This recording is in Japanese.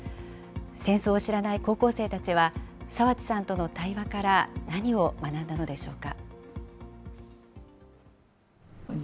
戦争を知らない高校生たちは、澤地さんとの対話から何を学んだのでしょうか。